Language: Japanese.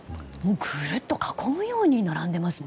ぐるっと囲むように並んでいますね。